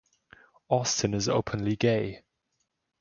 Austin is openly gay.